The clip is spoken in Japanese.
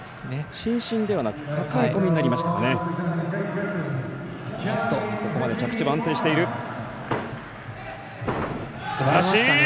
伸身ではなくかかえ込みになりましたかね。